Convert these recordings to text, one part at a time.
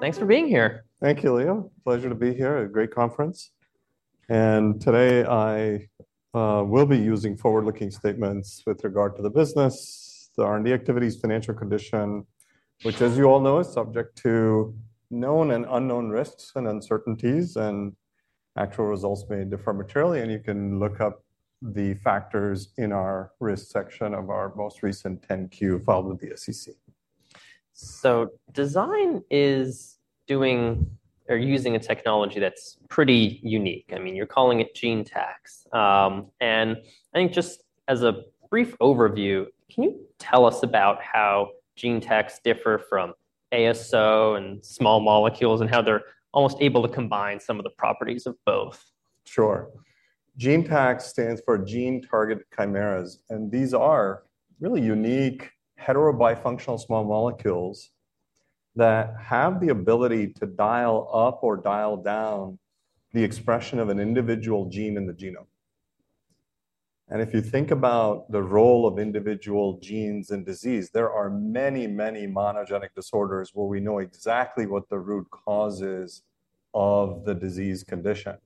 Thanks for being here. Thank you, Leo. Pleasure to be here. A great conference. And today, I will be using forward-looking statements with regard to the business, the R&D activities, financial condition, which, as you all know, is subject to known and unknown risks and uncertainties, and actual results may differ materially. And you can look up the factors in our risk section of our most recent 10-Q filed with the SEC. So Design is doing or using a technology that's pretty unique. I mean, you're calling it GeneTACs. And I think just as a brief overview, can you tell us about how GeneTACs differ from ASO and small molecules, and how they're almost able to combine some of the properties of both? Sure. GeneTACs stands for Gene Targeted Chimeras, and these are really unique hetero-bifunctional small molecules that have the ability to dial up or dial down the expression of an individual gene in the genome. And if you think about the role of individual genes in disease, there are many, many monogenic disorders where we know exactly what the root cause is of the disease condition.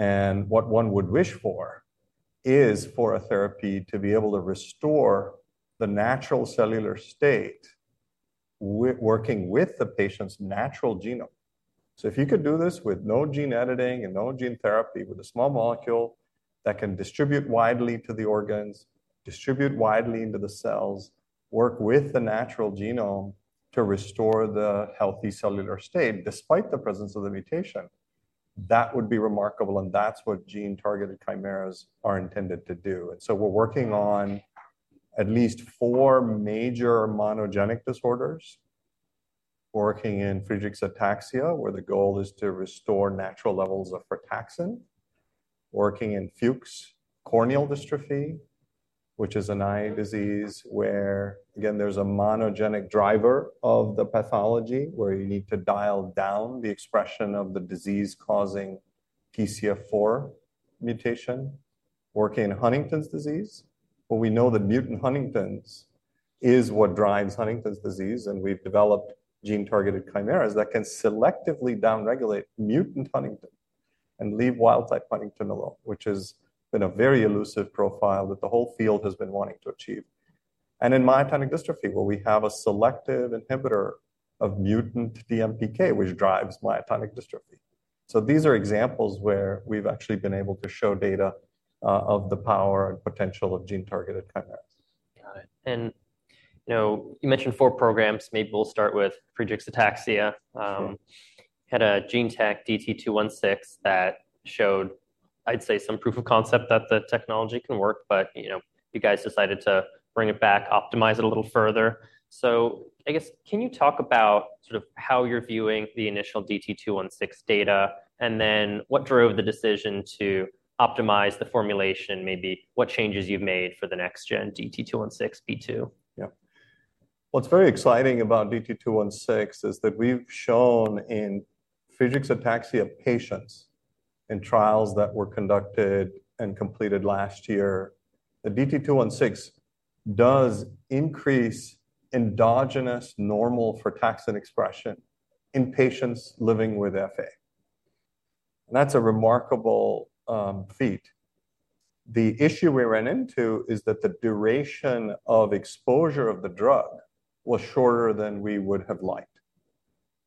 And what one would wish for is for a therapy to be able to restore the natural cellular state working with the patient's natural genome. So if you could do this with no gene editing and no gene therapy, with a small molecule that can distribute widely to the organs, distribute widely into the cells, work with the natural genome to restore the healthy cellular state, despite the presence of the mutation, that would be remarkable, and that's what gene-targeted chimeras are intended to do. And so we're working on at least four major monogenic disorders, working in Friedreich's ataxia, where the goal is to restore natural levels of frataxin, working in Fuchs' corneal dystrophy, which is an eye disease where, again, there's a monogenic driver of the pathology, where you need to dial down the expression of the disease causing TCF4 mutation, working in Huntington's disease, where we know that mutant huntingtin is what drives Huntington's disease. We've developed gene-targeted chimeras that can selectively down-regulate mutant huntingtin and leave wild-type huntingtin alone, which has been a very elusive profile that the whole field has been wanting to achieve. In myotonic dystrophy, where we have a selective inhibitor of mutant DMPK, which drives myotonic dystrophy. These are examples where we've actually been able to show data of the power and potential of gene-targeted chimeras. Got it. And, you know, you mentioned four programs. Maybe we'll start with Friedreich's ataxia. Had a GeneTAC DT-216 that showed, I'd say, some proof of concept that the technology can work. But, you know, you guys decided to bring it back, optimize it a little further. So I guess, can you talk about sort of how you're viewing the initial DT-216 data, and then what drove the decision to optimize the formulation, maybe what changes you've made for the next-gen DT-216P2? Yeah. What's very exciting about DT-216 is that we've shown in Friedreich's ataxia patients in trials that were conducted and completed last year, that DT-216 does increase endogenous normal frataxin expression in patients living with FA. And that's a remarkable feat. The issue we ran into is that the duration of exposure of the drug was shorter than we would have liked.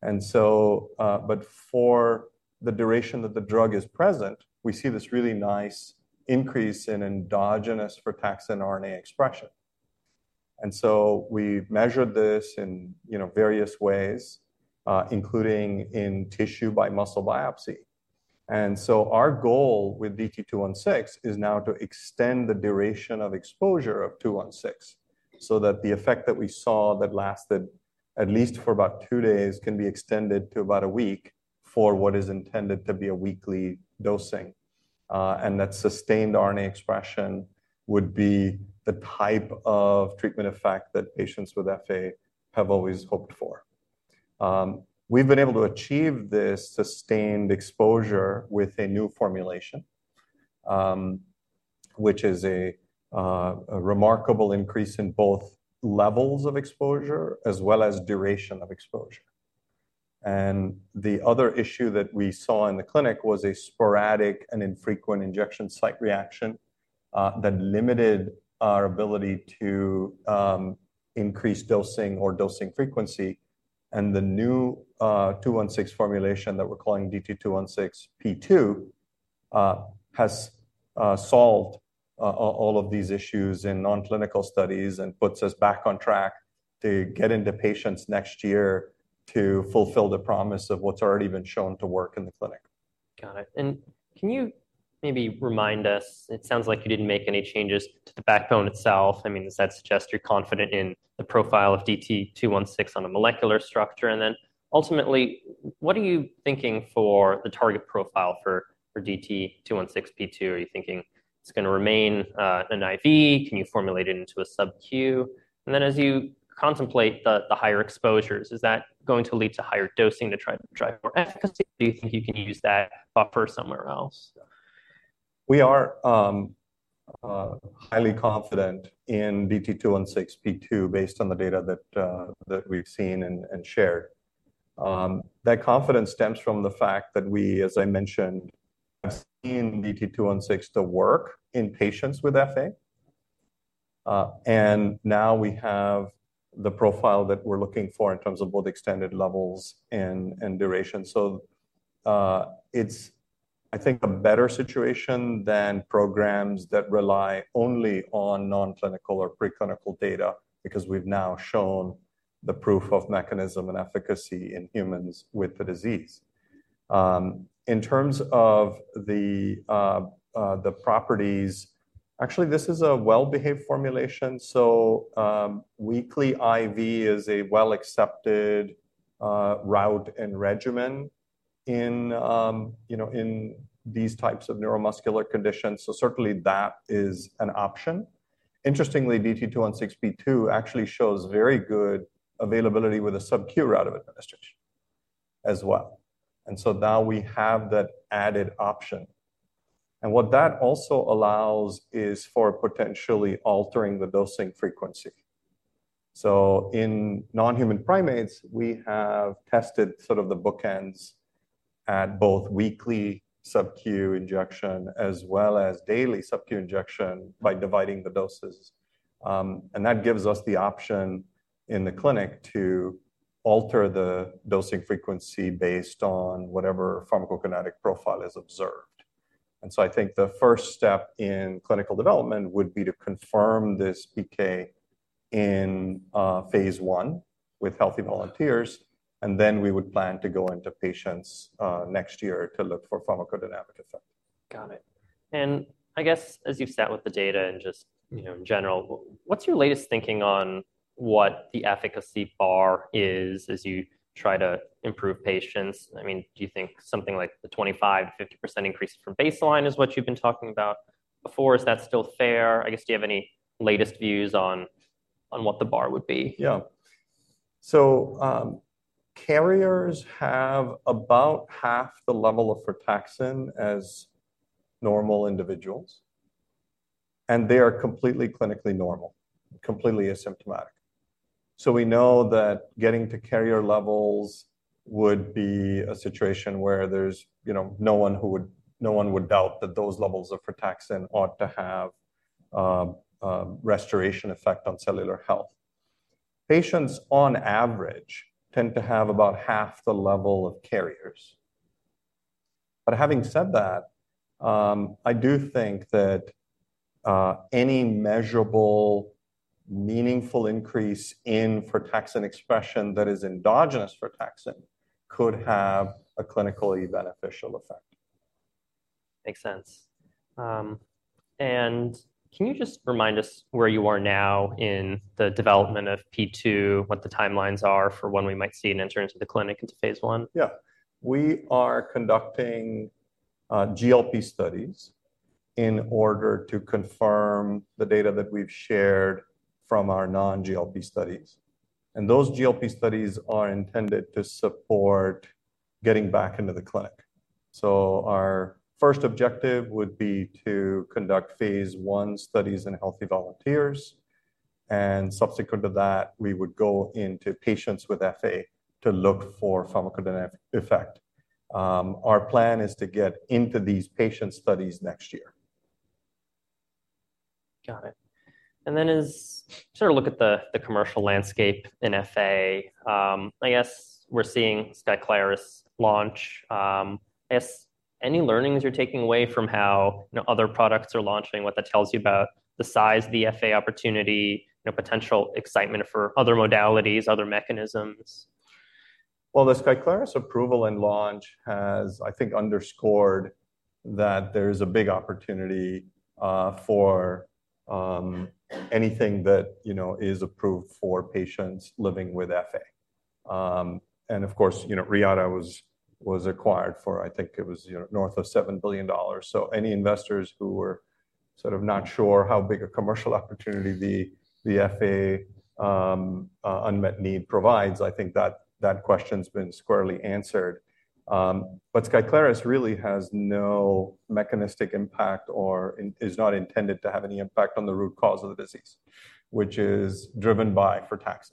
And so, but for the duration that the drug is present, we see this really nice increase in endogenous frataxin RNA expression. And so we've measured this in, you know, various ways, including in tissue by muscle biopsy. So our goal with DT-216 is now to extend the duration of exposure of 216, so that the effect that we saw that lasted at least for about two days, can be extended to about a week for what is intended to be a weekly dosing. And that sustained RNA expression would be the type of treatment effect that patients with FA have always hoped for. We've been able to achieve this sustained exposure with a new formulation, which is a remarkable increase in both levels of exposure as well as duration of exposure. And the other issue that we saw in the clinic was a sporadic and infrequent injection site reaction, that limited our ability to increase dosing or dosing frequency. The new 216 formulation that we're calling DT-216P2 has solved all of these issues in non-clinical studies and puts us back on track to get into patients next year to fulfill the promise of what's already been shown to work in the clinic. Got it. And can you maybe remind us, it sounds like you didn't make any changes to the backbone itself. I mean, does that suggest you're confident in the profile of DT-216 on a molecular structure? And then ultimately, what are you thinking for the target profile for DT-216P2? Are you thinking it's going to remain an IV? Can you formulate it into a sub-Q? And then as you contemplate the higher exposures, is that going to lead to higher dosing to try to drive more efficacy, or do you think you can use that buffer somewhere else? We are highly confident in DT-216P2 based on the data that we've seen and shared. That confidence stems from the fact that we, as I mentioned, have seen DT-216 work in patients with FA. And now we have the profile that we're looking for in terms of both extended levels and duration. So, it's, I think, a better situation than programs that rely only on non-clinical or preclinical data, because we've now shown the proof of mechanism and efficacy in humans with the disease. In terms of the properties, actually, this is a well-behaved formulation, so, weekly IV is a well-accepted route and regimen in, you know, in these types of neuromuscular conditions, so certainly, that is an option. Interestingly, DT-216P2 actually shows very good availability with a sub-Q route of administration as well. And so now we have that added option. And what that also allows is for potentially altering the dosing frequency. So in non-human primates, we have tested sort of the bookends at both weekly sub-Q injection as well as daily sub-Q injection by dividing the doses. And that gives us the option in the clinic to alter the dosing frequency based on whatever pharmacokinetic profile is observed. And so I think the first step in clinical development would be to confirm this PK in phase I with healthy volunteers, and then we would plan to go into patients next year to look for pharmacodynamic effect. Got it. And I guess as you've sat with the data and just, you know, in general, what's your latest thinking on what the efficacy bar is as you try to improve patients? I mean, do you think something like the 25%-50% increase from baseline is what you've been talking about before? Is that still fair? I guess, do you have any latest views on what the bar would be? Yeah. So, carriers have about 1/2 the level of frataxin as normal individuals, and they are completely clinically normal, completely asymptomatic. So we know that getting to carrier levels would be a situation where there's, you know, no one would doubt that those levels of frataxin ought to have restoration effect on cellular health. Patients on average, tend to have about 1/2 the level of carriers. But having said that, I do think that any measurable, meaningful increase in frataxin expression that is endogenous frataxin could have a clinically beneficial effect. Makes sense. Can you just remind us where you are now in the development of P2, what the timelines are for when we might see an entry into the clinic phase I? Yeah. We are conducting GLP studies in order to confirm the data that we've shared from our non-GLP studies. Those GLP studies are intended to support getting back into the clinic. Our first objective would be to conduct phase I studies in healthy volunteers, and subsequent to that, we would go into patients with FA to look for pharmacodynamic effect. Our plan is to get into these patient studies next year. Got it. And then, as we sort of look at the commercial landscape in FA, I guess we're seeing SKYCLARYS launch, are there any learnings you're taking away from how, you know, other products are launching, what that tells you about the size of the FA opportunity, you know, potential excitement for other modalities, other mechanisms? Well, the SKYCLARYS approval and launch has, I think, underscored that there is a big opportunity for anything that, you know, is approved for patients living with FA. And of course, you know, Reata was acquired for, I think it was, you know, north of $7 billion. So any investors who were sort of not sure how big a commercial opportunity the FA unmet need provides, I think that question's been squarely answered. But SKYCLARYS really has no mechanistic impact or is not intended to have any impact on the root cause of the disease, which is driven by frataxin.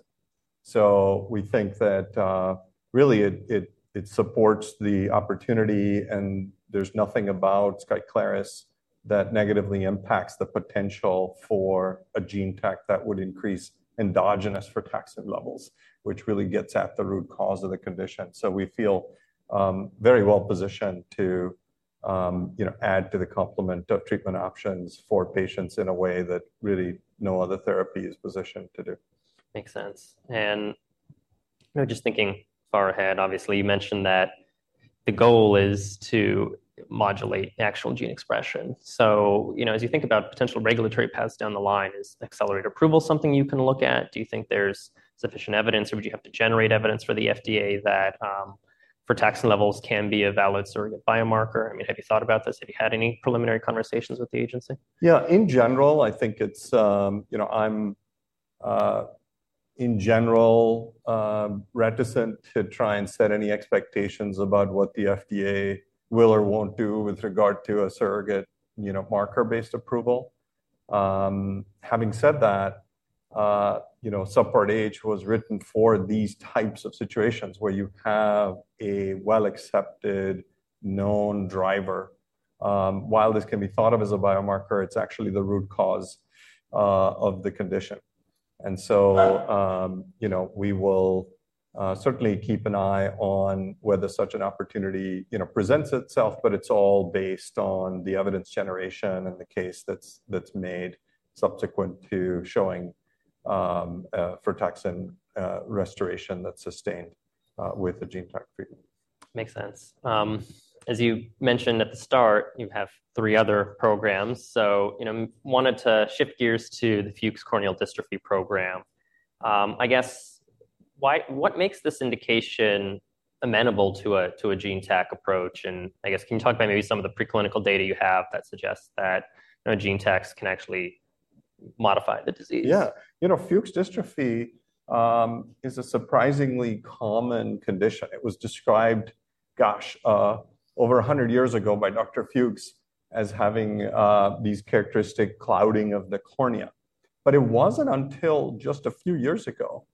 So we think that really it supports the opportunity, and there's nothing about SKYCLARYS that negatively impacts the potential for a GeneTAC that would increase endogenous frataxin levels, which really gets at the root cause of the condition. So we feel very well positioned to, you know, add to the complement of treatment options for patients in a way that really no other therapy is positioned to do. Makes sense. You know, just thinking far ahead, obviously, you mentioned that the goal is to modulate the actual gene expression. So, you know, as you think about potential regulatory paths down the line, is accelerated approval something you can look at? Do you think there's sufficient evidence, or would you have to generate evidence for the FDA that frataxin levels can be a valid surrogate biomarker? I mean, have you thought about this? Have you had any preliminary conversations with the agency? Yeah, in general, I think it's, you know, I'm in general reticent to try and set any expectations about what the FDA will or won't do with regard to a surrogate, you know, marker-based approval. Having said that, you know, Subpart H was written for these types of situations where you have a well-accepted, known driver. While this can be thought of as a biomarker, it's actually the root cause of the condition. And so, you know, we will certainly keep an eye on whether such an opportunity, you know, presents itself, but it's all based on the evidence generation and the case that's made subsequent to showing frataxin restoration that's sustained with a GeneTAC treatment. Makes sense. As you mentioned at the start, you have three other programs. So, you know, wanted to shift gears to the Fuchs' corneal dystrophy program. I guess, what makes this indication amenable to a GeneTAC approach? And I guess, can you talk about maybe some of the preclinical data you have that suggests that, you know, GeneTACs can actually modify the disease? Yeah. You know, Fuchs' dystrophy is a surprisingly common condition. It was described, gosh, over 100 years ago by Dr. Fuchs as having these characteristic clouding of the cornea. But it wasn't until just a few years ago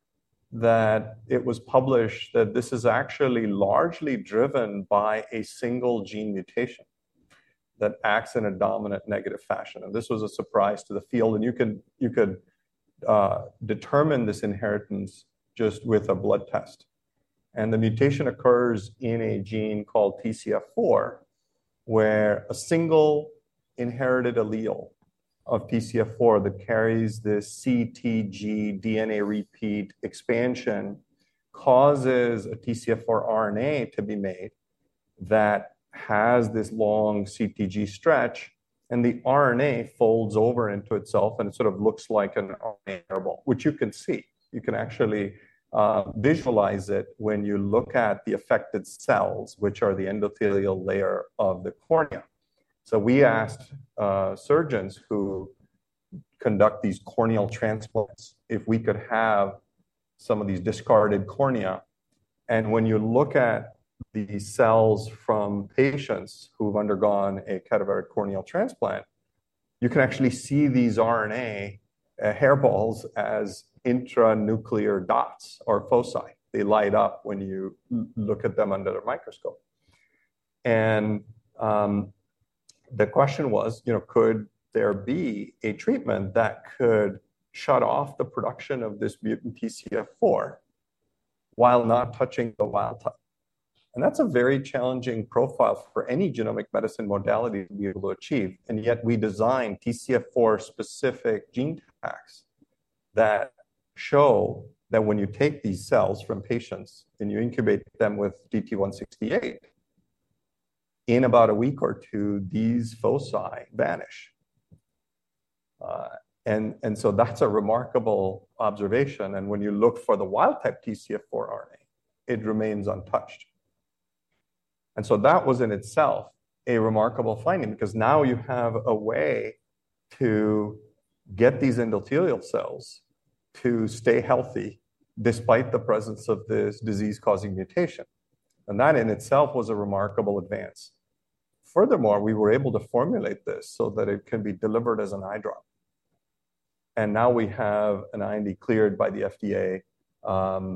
that it was published that this is actually largely driven by a single gene mutation that acts in a dominant negative fashion, and this was a surprise to the field. And you could determine this inheritance just with a blood test. And the mutation occurs in a gene called TCF4, where a single inherited allele of TCF4 that carries this CTG DNA repeat expansion causes a TCF4 RNA to be made that has this long CTG stretch, and the RNA folds over into itself, and it sort of looks like an RNA hairball, which you can see. You can actually visualize it when you look at the affected cells, which are the endothelial layer of the cornea. So we asked surgeons who conduct these corneal transplants if we could have some of these discarded cornea. And when you look at the cells from patients who've undergone a [keratoplasty] corneal transplant, you can actually see these RNA hairballs as intranuclear dots or foci. They light up when you look at them under the microscope. And the question was, you know, could there be a treatment that could shut off the production of this mutant TCF4 while not touching the wild type? And that's a very challenging profile for any genomic medicine modality to be able to achieve, and yet we designed TCF4 specific GeneTACs that show that when you take these cells from patients and you incubate them with DT-168, in about a week or two, these foci vanish, and so that's a remarkable observation, and when you look for the wild-type TCF4 RNA, it remains untouched. And so that was in itself a remarkable finding because now you have a way to get these endothelial cells to stay healthy despite the presence of this disease-causing mutation, and that in itself was a remarkable advance. Furthermore, we were able to formulate this so that it can be delivered as an eye drop. Now we have an IND cleared by the FDA,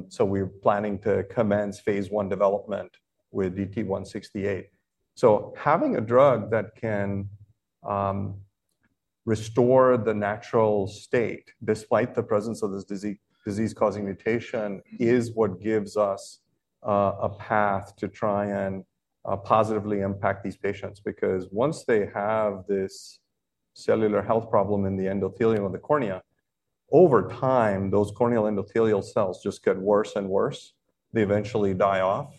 so we're planning to commence phase I development with DT-168. So having a drug that can restore the natural state despite the presence of this disease-causing mutation is what gives us a path to try and positively impact these patients. Because once they have this cellular health problem in the endothelium of the cornea, over time, those corneal endothelial cells just get worse and worse. They eventually die off,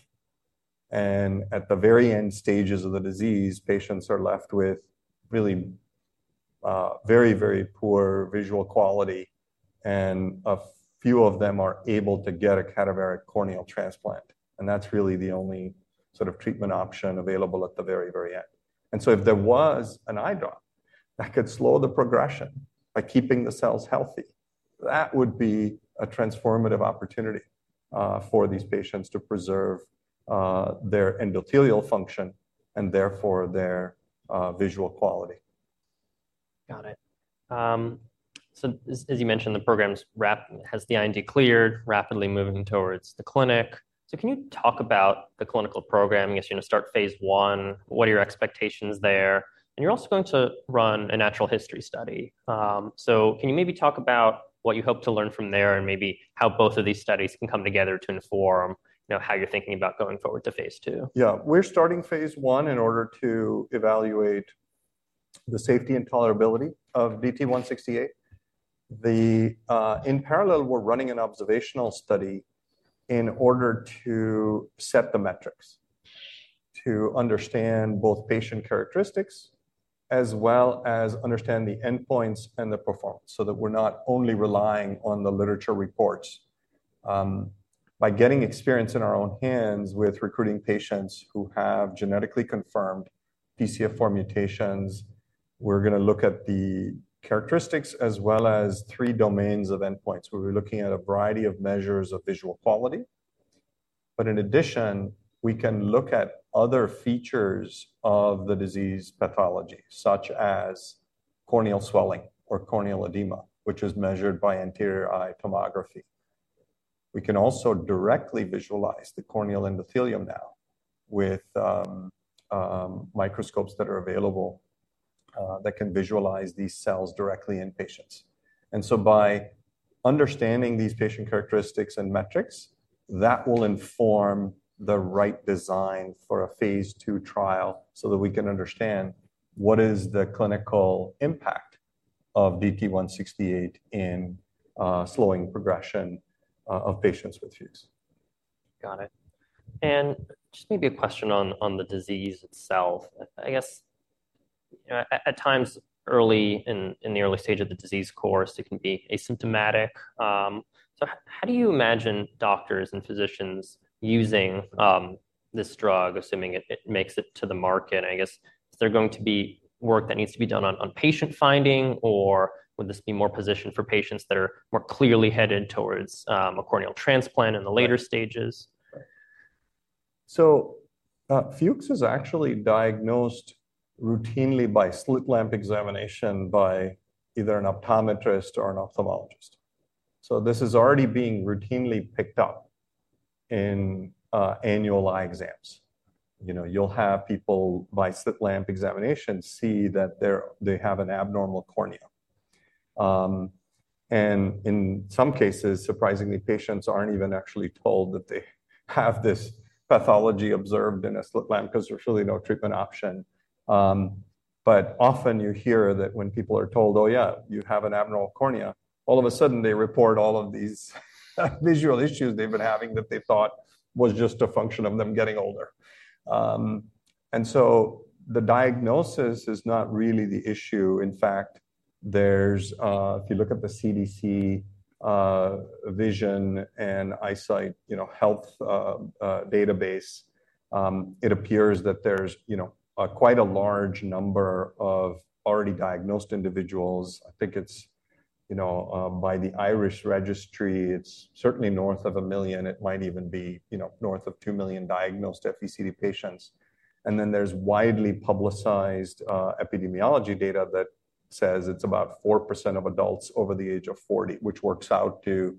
and at the very end stages of the disease, patients are left with really very, very poor visual quality, and a few of them are able to get a keratoplasty. And that's really the only sort of treatment option available at the very, very end. And so if there was an eye drop that could slow the progression by keeping the cells healthy, that would be a transformative opportunity for these patients to preserve their endothelial function and therefore their visual quality. Got it. So as you mentioned, the program has the IND cleared, rapidly moving towards the clinic. So can you talk about the clinical program? I guess, you're gonna start phase one. What are your expectations there? And you're also going to run a natural history study. So can you maybe talk about what you hope to learn from there, and maybe how both of these studies can come together to inform, you know, how you're thinking about going forward to phase II? Yeah. We're starting phase I in order to evaluate the safety and tolerability of DT-168. The, in parallel, we're running an observational study in order to set the metrics to understand both patient characteristics, as well as understand the endpoints and the performance, so that we're not only relying on the literature reports. By getting experience in our own hands with recruiting patients who have genetically confirmed TCF4 mutations, we're going to look at the characteristics as well as three domains of endpoints, where we're looking at a variety of measures of visual quality. But in addition, we can look at other features of the disease pathology, such as corneal swelling or corneal edema, which is measured by anterior eye tomography. We can also directly visualize the corneal endothelium now with microscopes that are available that can visualize these cells directly in patients. And so by understanding these patient characteristics and metrics, that will inform the right design for a Phase II trial so that we can understand what is the clinical impact of DT-168 in slowing progression of patients with Fuchs. Got it. And just maybe a question on the disease itself. I guess, at times, early in the early stage of the disease course, it can be asymptomatic. So how do you imagine doctors and physicians using this drug, assuming it makes it to the market? I guess, is there going to be work that needs to be done on patient finding, or would this be more positioned for patients that are more clearly headed towards a corneal transplant in the later stages? Fuchs' is actually diagnosed routinely by slit lamp examination by either an optometrist or an ophthalmologist. This is already being routinely picked up in annual eye exams. You know, you'll have people by slit lamp examination see that they have an abnormal cornea. And in some cases, surprisingly, patients aren't even actually told that they have this pathology observed in a slit lamp because there's really no treatment option. But often you hear that when people are told, "Oh, yeah, you have an abnormal cornea," all of a sudden, they report all of these visual issues they've been having that they thought was just a function of them getting older. And so the diagnosis is not really the issue. In fact, there's, if you look at the CDC, vision and eyesight, you know, health, database, it appears that there's, you know, quite a large number of already diagnosed individuals. I think it's, you know, by the IRIS Registry, it's certainly north of a million. It might even be, you know, north of two million diagnosed FECD patients. And then there's widely publicized, epidemiology data that says it's about 4% of adults over the age of 40, which works out to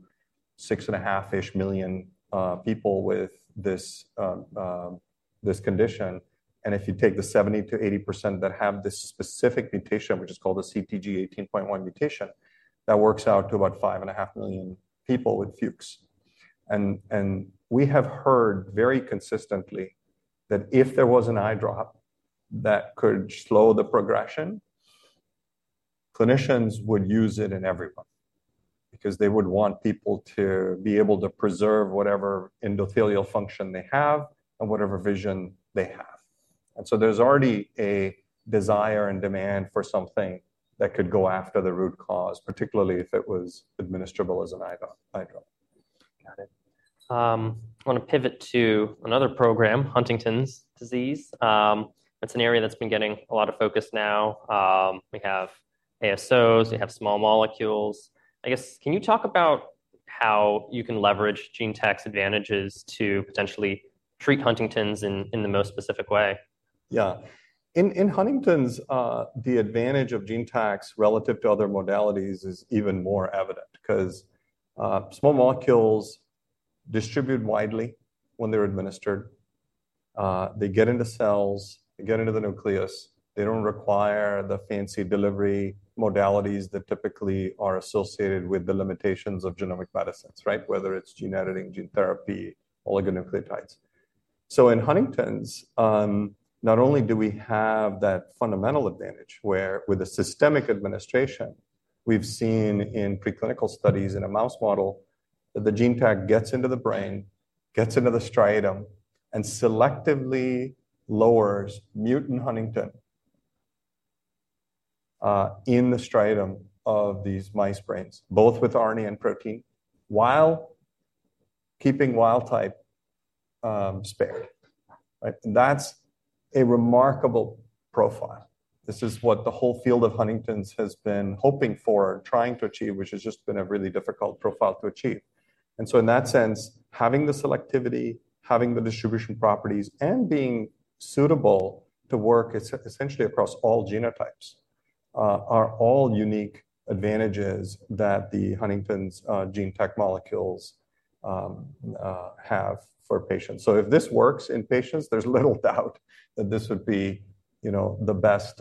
6.5 million, people with this condition. And if you take the 70%-80% that have this specific mutation, which is called the CTG18.1 mutation, that works out to about 5.5 million people with Fuchs. And we have heard very consistently that if there was an eye drop that could slow the progression, clinicians would use it in everyone because they would want people to be able to preserve whatever endothelial function they have and whatever vision they have. And so there's already a desire and demand for something that could go after the root cause, particularly if it was administrable as an eye drop. Got it. I want to pivot to another program, Huntington's disease. That's an area that's been getting a lot of focus now. We have ASOs, we have small molecules. I guess, can you talk about how you can leverage GeneTAC advantages to potentially treat Huntington's in, in the most specific way? Yeah. In Huntington's, the advantage of GeneTACs relative to other modalities is even more evident because small molecules distribute widely when they're administered. They get into cells, they get into the nucleus. They don't require the fancy delivery modalities that typically are associated with the limitations of genomic medicines, right? Whether it's gene editing, gene therapy, oligonucleotides. So in Huntington's, not only do we have that fundamental advantage, where with a systemic administration, we've seen in preclinical studies in a mouse model, that the GeneTAC gets into the brain, gets into the striatum, and selectively lowers mutant Huntington in the striatum of these mice brains, both with RNA and protein, while keeping wild type spare. Right? And that's a remarkable profile. This is what the whole field of Huntington's has been hoping for and trying to achieve, which has just been a really difficult profile to achieve. And so in that sense, having the selectivity, having the distribution properties, and being suitable to work essentially across all genotypes, are all unique advantages that the Huntington's gene tech molecules have for patients. So if this works in patients, there's little doubt that this would be, you know, the best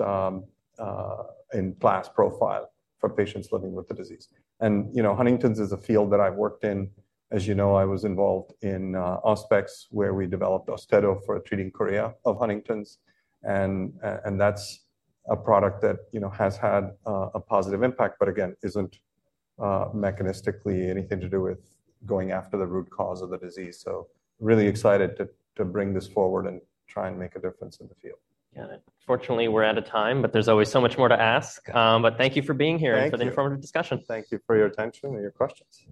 in-class profile for patients living with the disease. And, you know, Huntington's is a field that I've worked in. As you know, I was involved in Auspex, where we developed Austedo for treating chorea of Huntington's, and that's a product that, you know, has had a positive impact, but again, isn't mechanistically anything to do with going after the root cause of the disease. So really excited to bring this forward and try and make a difference in the field. Got it. Unfortunately, we're out of time, but there's always so much more to ask. But thank you for being here. Thank you. And for the informative discussion. Thank you for your attention and your questions.